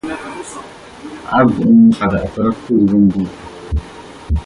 عبد إني قد اعترفت بذنبي